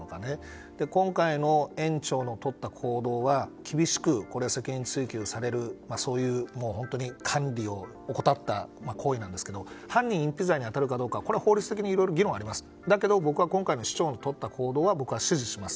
今回の園長のとった行動は厳しく責任追及されるそういう管理を怠った行為なんですけど犯人隠避罪に当たるかどうかは法律的に議論はありますが検察を支持します。